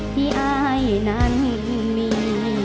ที่อายนั้นมี